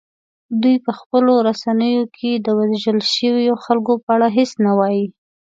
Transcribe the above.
دوی په خپلو رسنیو کې د وژل شویو خلکو په اړه هیڅ نه وايي